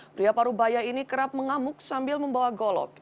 pria parubaya ini kerap mengamuk sambil membawa golok